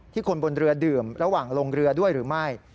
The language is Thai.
คนบนเรือดื่มระหว่างลงเรือด้วยหรือไม่